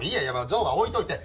ゾウは置いといて。